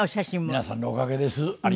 皆さんのおかげです。